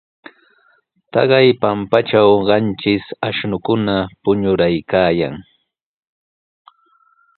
Taqay pampatraw qanchis ashnukuna puñuraykaayan.